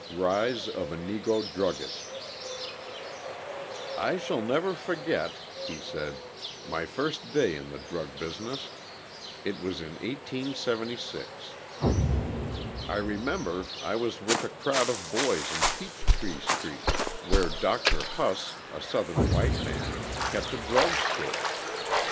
Rise of a Negro Druggist "I never shall forget," he said, "my first day in the drug business. It was in 1876. I remember I was with a crowd of boys in Peachtree Street, where Dr. Huss, a Southern white man, kept a drug store.